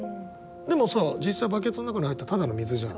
でもさ実際バケツの中に入ったただの水じゃん。